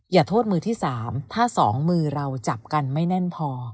อย่าโทษมือที่๓ถ้า๒มือเราจับกันไม่แน่นพอ